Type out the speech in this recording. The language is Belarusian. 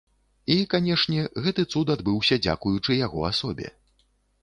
І, канешне, гэты цуд адбыўся дзякуючы яго асобе.